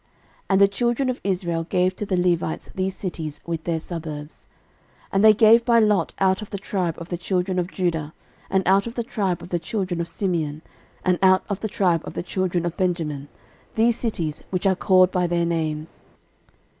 13:006:064 And the children of Israel gave to the Levites these cities with their suburbs. 13:006:065 And they gave by lot out of the tribe of the children of Judah, and out of the tribe of the children of Simeon, and out of the tribe of the children of Benjamin, these cities, which are called by their names.